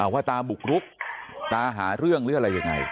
ว่าตาบุกรุกตาหาเรื่องหรืออะไรยังไง